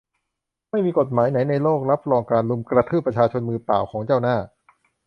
ไม่มีกฎหมายไหนในโลกรับรองการรุมกระทืบประชาชนมือเปล่าของเจ้าหน้า